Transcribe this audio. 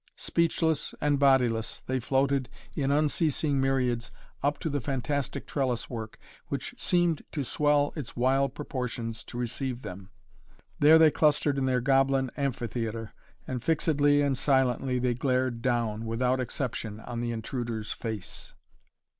Speechless and bodiless they floated in unceasing myriads up to the fantastic trellis work, which seemed to swell its wild proportions to receive them. There they clustered in their goblin amphitheatre, and fixedly and silently they glared down, without exception, on the intruder's face.